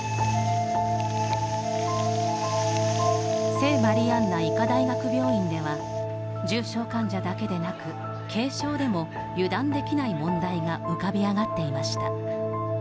聖マリアンナ医科大学病院では重症患者だけでなく軽症でも油断できない問題が浮かび上がっていました。